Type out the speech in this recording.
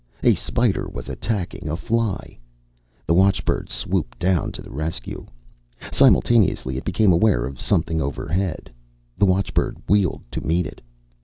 A spider was attacking a fly. The watchbird swooped down to the rescue. Simultaneously, it became aware of something overhead. The watchbird wheeled to meet it.